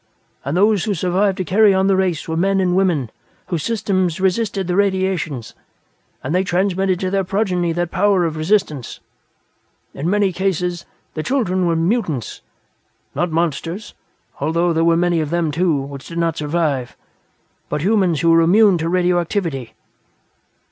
And those who survived to carry on the race were men and women whose systems resisted the radiations, and they transmitted to their progeny that power of resistance. In many cases, their children were mutants not monsters, although there were many of them, too, which did not survive but humans who were immune to radioactivity."